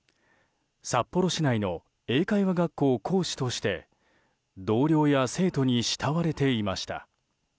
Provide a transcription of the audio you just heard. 札幌市内の英会話学校講師として同僚や生徒に慕われていました。